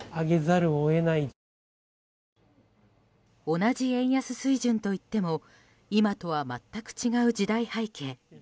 同じ円安水準といっても今とは全く違う時代背景。